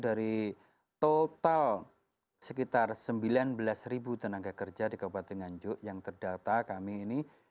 dari total sekitar sembilan belas tenaga kerja di kabupaten nganjuk yang terdata kami ini